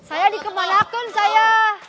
saya di kemalakun saya